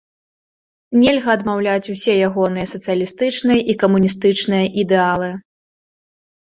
Нельга адмаўляць і ўсе ягоныя сацыялістычныя і камуністычныя ідэалы.